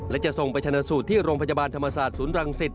และจะส่งไปชนะสูตรที่โรงพยาบาลธรรมศาสตร์ศูนย์รังสิต